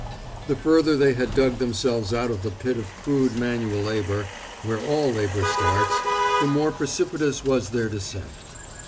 The further they had dug themselves out of the pit of crude manual labour, where all labour starts, the more precipitous was their descent.